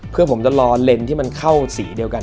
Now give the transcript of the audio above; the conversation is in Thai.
เพื่อผมจะรอเลนส์ที่มันเข้าสีเดียวกัน